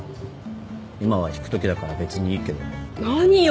今は引くときだから別にいいけど。何よ？